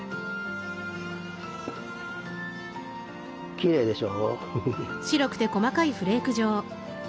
きれいでしょ？